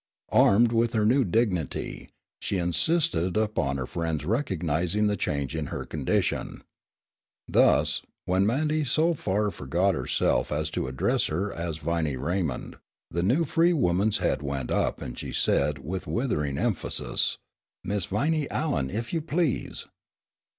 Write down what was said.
Armed with her new dignity, she insisted upon her friends' recognizing the change in her condition. Thus, when Mandy so far forgot herself as to address her as Viney Raymond, the new free woman's head went up and she said with withering emphasis: "Mis' Viney Allen, if you please!"